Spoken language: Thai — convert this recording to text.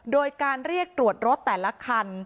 โดยการเรียกตรวจรถแต่ละคัน